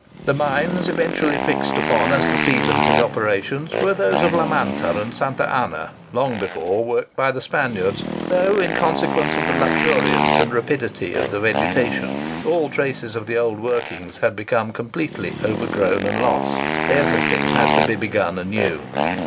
The mines eventually fixed upon as the scene of his operations were those of La Manta and Santa Anna, long before worked by the Spaniards, though, in consequence of the luxuriance and rapidity of the vegetation, all traces of the old workings had become completely overgrown and lost. Everything had to be begun anew.